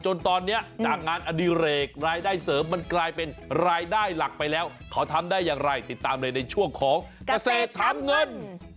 จนตอนนี้จากงานอดิเรกรายได้เสริมมันกลายเป็นรายได้หลักไปแล้วเขาทำได้อย่างไรติดตามเลยในช่วงของเกษตรทำเงิน